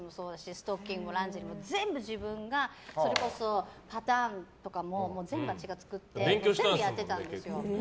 ストッキングもランジェリーも全部、自分がそれこそパターンとかも全部私が作って全部やってたんですよ。